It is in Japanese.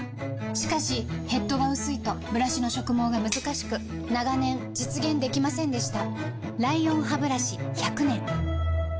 しかしヘッドが薄いとブラシの植毛がむずかしく長年実現できませんでした